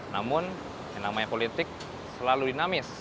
namun dinamanya politik selalu dinamis